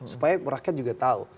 supaya rakyat juga tahu